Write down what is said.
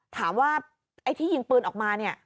ถามว่าไอ้ที่ยิงปืนออกมาเนี่ย